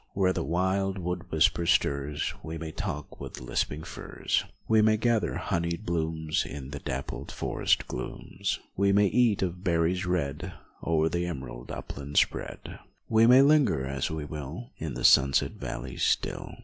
Where the wild wood whisper stirs We may talk with lisping firs, We may gather honeyed bloomS In the dappled forest glooms, We may eat of berries red O'er the emerald upland spread. We may linger as we will In the sunset valleys still.